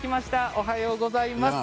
おはようございます。